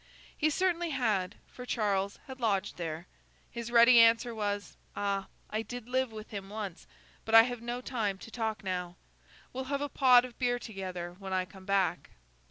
He certainly had, for Charles had lodged there. His ready answer was, 'Ah, I did live with him once; but I have no time to talk now. We'll have a pot of beer together when I come back.